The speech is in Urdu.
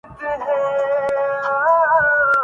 ہزار موجوں کی ہو کشاکش مگر یہ دریا سے پار ہوگا